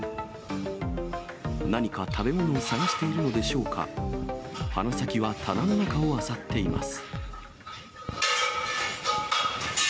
何か食べ物を探しているのでしょうか、鼻先は棚の中をあさっています。